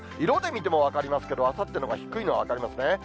色で見ても分かりますけど、あさってのほうが低いのが分かりますね。